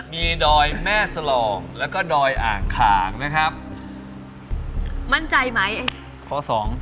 ดอยแม่สลองแล้วก็ดอยอ่างขางนะครับมั่นใจไหมข้อสอง